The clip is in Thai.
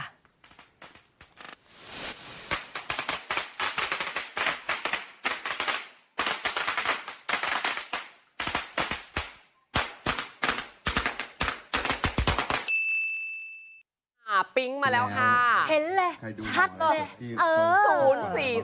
ปิ๊งมาแล้วค่ะเห็นเลยชัดเลย